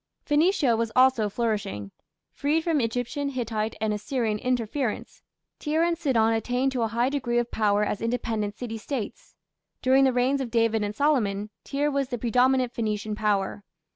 Phoenicia was also flourishing. Freed from Egyptian, Hittite, and Assyrian interference, Tyre and Sidon attained to a high degree of power as independent city States. During the reigns of David and Solomon, Tyre was the predominant Phoenician power.